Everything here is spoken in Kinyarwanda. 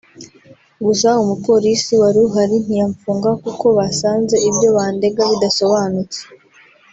Gusa umupolisi wari uhari ntiyanfunga kuko basanze ibyo bandega bidasobanutse